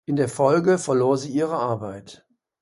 In der Folge verlor sie ihre Arbeit.